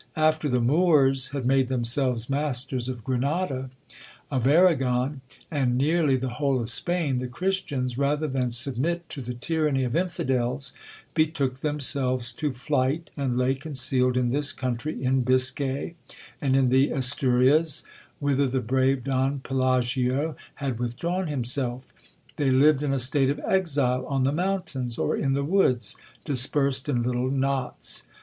After the Moors had made themselves masters of Granada, of Arragon, and nearly the whole of Spain, the Christians, rather than submit to the tyranny of infidels, betook themselves to flight, and lay concealed in this country, in Biscay, and in the Asturias, whither the brave Don Pelagio had withdrawn himself. They lived in a state of exile, on the mountains, or in the woods, dispersed in little knots.